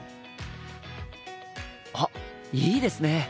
あっいいですね！